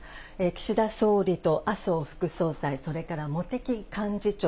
岸田総理と麻生副総裁、それから茂木幹事長。